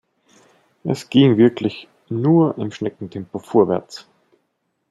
Es ging wirklich nur im Schneckentempo vorwärts.